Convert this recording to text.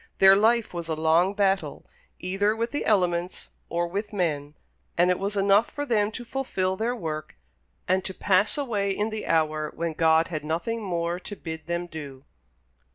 Their life was a long battle, either with the elements or with men; and it was enough for them to fulfil their work, and to pass away in the hour when God had nothing more to bid them do.